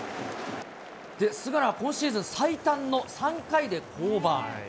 菅野は今シーズン最短の３回で降板。